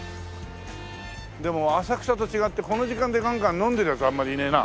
でも浅草と違ってこの時間でガンガン飲んでるやつあんまりいねえな。